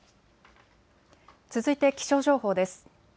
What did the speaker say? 続いて気象情報です。